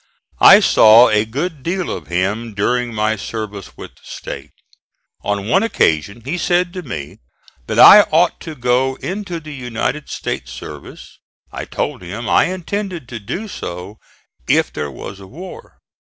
I saw a good deal of him during my service with the State. On one occasion he said to me that I ought to go into the United States service. I told him I intended to do so if there was a war.